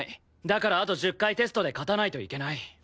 だからあと１０回テストで勝たないといけない。